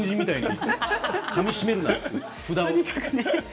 かみしめるなって。